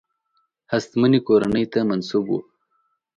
هستمنې کورنۍ ته منسوب وو.